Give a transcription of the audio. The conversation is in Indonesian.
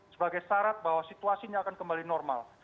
sebagai syarat bahwa situasinya akan kembali normal